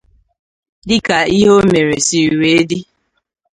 dịka ihe o mere siri wee dị